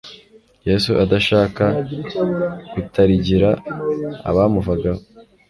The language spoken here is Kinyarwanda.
Yesu adashaka gutarigira abamuvagaho,